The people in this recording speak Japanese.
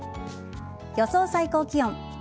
予想最高気温。